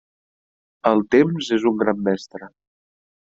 El temps és un gran mestre.